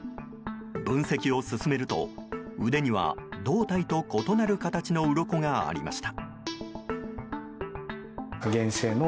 分析を進めると腕には胴体と異なる形のうろこがありました。